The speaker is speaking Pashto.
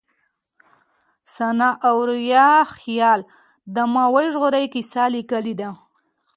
سناء اوریاخيل د ما وژغورئ کيسه ليکلې ده